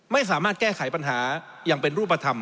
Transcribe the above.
ไม่สามารถแก้ไขปัญหาอย่างเป็นรูปธรรม